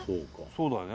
そうだよね。